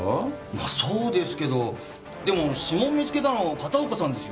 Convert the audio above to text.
まあそうですけどでも指紋見つけたの片岡さんですよ？